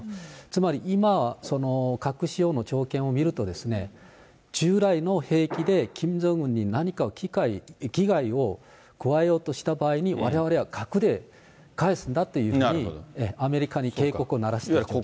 つまり、今、核使用の条件を見ると、従来の兵器でキム・ジョンウンに何か危害を加えようとした場合に、われわれは核でかえすんだっていうふうに、アメリカに警告を鳴らしてると。